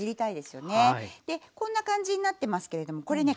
こんな感じになってますけれどもこれね